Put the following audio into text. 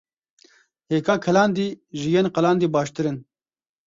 Hêka kelandî ji yên qelandî baştir in.